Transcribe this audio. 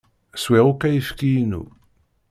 Swiɣ akk ayefki-inu.